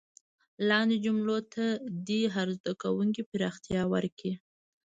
لاندې جملو ته دې هر زده کوونکی پراختیا ورکړي.